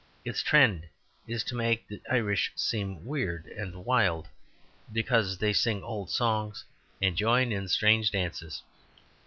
Its trend is to make the Irish seem weird and wild because they sing old songs and join in strange dances.